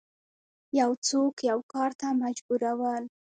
یو څوک یو کار ته مجبورول